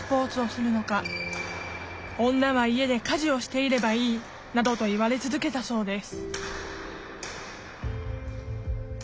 「女は家で家事をしていればいい」などと言われ続けたそうです